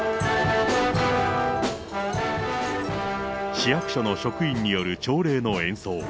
市役所の職員による朝礼の演奏。